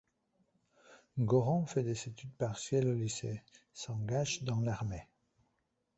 Goron fait des études partielles au lycée, s'engage dans l'armée.